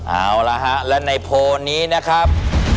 เอาละฮะและในโพลนี้นะครับ